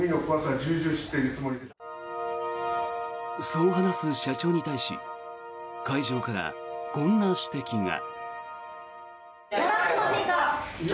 そう話す社長に対し会場から、こんな指摘が。